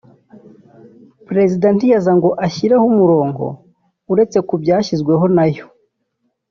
Perezida ntiyaza ngo ashyireho umurongo uretse ku byashyizweho nayo